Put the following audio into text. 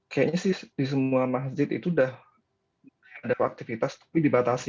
kayaknya sih di semua masjid itu udah ada aktivitas tapi dibatasi